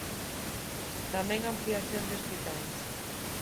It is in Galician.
Tamén a ampliación de hospitais.